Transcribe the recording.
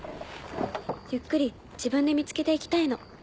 ゆっくり自分で見つけて行きたいの。